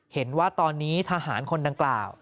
เห็นว่าตอนนี้ทหารคนดังกล่าว